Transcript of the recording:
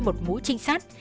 một mũi trinh sát